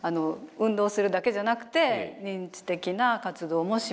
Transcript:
運動するだけじゃなくて認知的な活動もします。